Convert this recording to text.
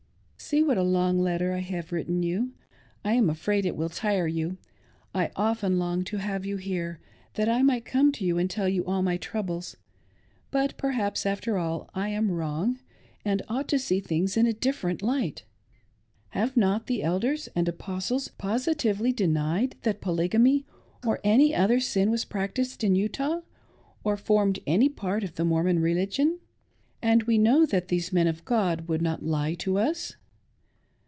See what a long letter I have written to you ! I am afraid it will tire you. I often long to have you here, that I might come to you and tell you all my troubles. But perhaps, after all, I am wrong, and ought to see things in a differ ent light. Have not the Elders and Apostles positively denied that Polygamy 0r any other sin was practiced in Utah, or formed any part of the ' Mormon religion; and we know that these men of God would not lie to us.